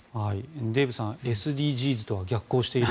デーブさんＳＤＧｓとは逆行している